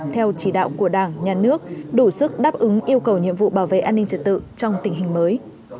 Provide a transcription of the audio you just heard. theo chỉ đạo của đảng nhà nước đủ sức đáp ứng yêu cầu nhiệm vụ bảo vệ an ninh trật tự trong tình hình mới